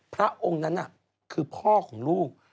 พระองค์นั้นคือพ่อของลูก